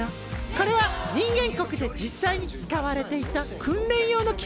これは人間国で実際に使われていた訓練用の機械だよ。